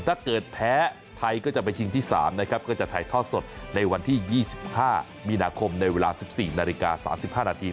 ถ้าเกิดแพ้ไทยก็จะไปชิงที่๓นะครับก็จะถ่ายทอดสดในวันที่๒๕มีนาคมในเวลา๑๔นาฬิกา๓๕นาที